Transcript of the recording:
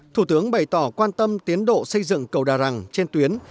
thủ tướng bày tỏ quan tâm tiến độ xây dựng cầu đà rẳng trên tuyến